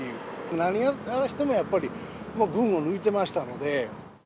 何をやらせてもやっぱり群を抜いてましたので。